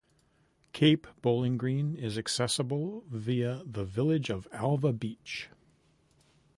Cape Bowling Green is accessible via the village of Alva Beach.